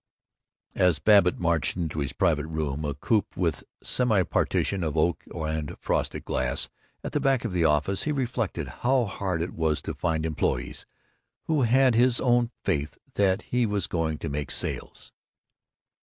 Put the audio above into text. As Babbitt marched into his private room, a coop with semi partition of oak and frosted glass, at the back of the office, he reflected how hard it was to find employees who had his own faith that he was going to make sales.